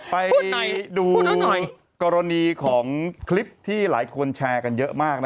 ไปดูหน่อยกรณีของคลิปที่หลายคนแชร์กันเยอะมาก